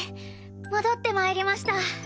戻って参りました！